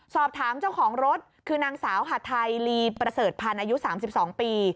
สอบถามเจ้าของรถคือนางสาวหัดไทยลีประเสริฐพันธ์อายุ๓๒ปี